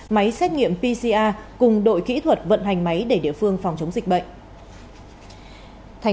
máy xét nghiệm pcr cùng đội kỹ thuật vận hành máy để địa phương phòng chống dịch bệnh